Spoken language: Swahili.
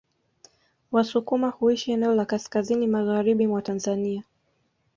Wasukuma huishi eneo la kaskazini magharibi mwa Tanzania